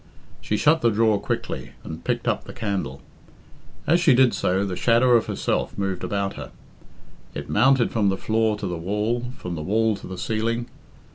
She shut the drawer quickly, and picked up the candle. As she did so, the shadow of herself moved about her. It mounted from the floor to the wall, from the wall to the ceiling.